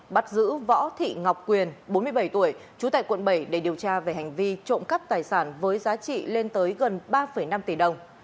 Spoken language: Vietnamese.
bắt giữ võ thị ngọc quyền bốn mươi bảy tuổi trú tại quận bảy để điều tra về hành vi trộm cắp tài sản với giá trị lên tới gần ba năm tỷ đồng